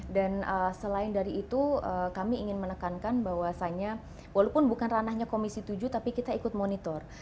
dan selain dari itu kami ingin menekankan bahwasannya walaupun bukan ranahnya komisi tujuh tapi kita ikut monitor